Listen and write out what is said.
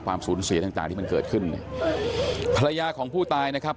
ความสูญเสียทั้งตามที่มันเกิดขึ้นภรรยาของผู้ตายนะครับ